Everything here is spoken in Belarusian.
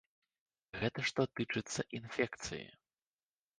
Гэта што тычыцца інфекцыі.